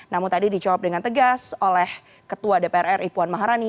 namun tadi dijawab dengan tegas oleh ketua dpr ri puan maharani